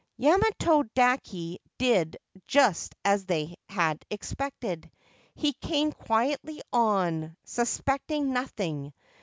Yamato dake did just as they had expected. He came quietly on, suspecting nothing.